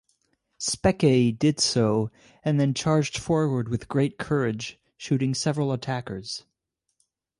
Speke did so and then charged forward with great courage shooting several attackers.